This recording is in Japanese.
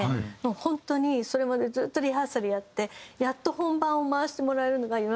本当にそれまでずっとリハーサルやってやっと本番を回してもらえるのが夜中の１２時なんです。